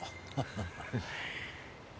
ハハハ。